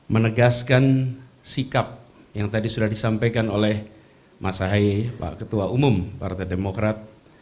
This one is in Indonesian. menegaskan sikap yang tadi sudah disampaikan oleh mas ahaye pak ketua umum partai demokrat